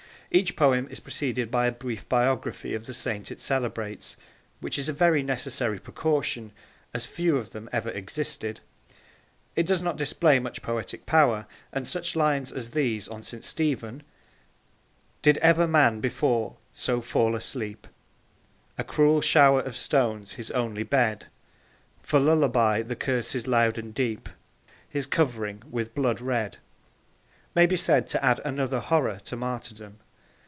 Each poem is preceded by a brief biography of the Saint it celebrates which is a very necessary precaution, as few of them ever existed. It does not display much poetic power, and such lines as these on St. Stephen, Did ever man before so fall asleep? A cruel shower of stones his only bed, For lullaby the curses loud and deep, His covering with blood red may be said to add another horror to martyrdom.